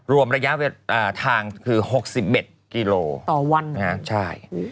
รวมระยะทางคือ๖๑กิโลต่อวันใช่